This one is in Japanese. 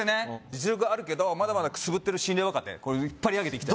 実力あるけどくすぶってる心霊若手引っ張り上げていきたい